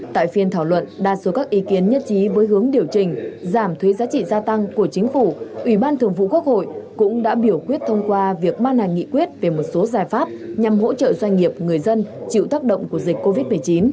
tại phiên thảo luận đa số các ý kiến nhất trí với hướng điều chỉnh giảm thuế giá trị gia tăng của chính phủ ủy ban thường vụ quốc hội cũng đã biểu quyết thông qua việc ban hành nghị quyết về một số giải pháp nhằm hỗ trợ doanh nghiệp người dân chịu tác động của dịch covid một mươi chín